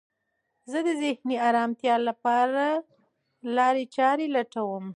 زه د ذهني ارامتیا لپاره لارې چارې لټوم.